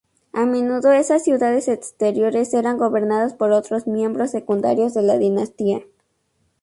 A menudo esas ciudades exteriores eran gobernadas por otros miembros secundarios de la dinastía.